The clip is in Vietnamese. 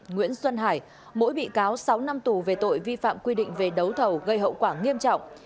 nguyễn xuân hải mỗi bị cáo sáu năm tù về tội vi phạm quy định về đấu thầu gây hậu quả nghiêm trọng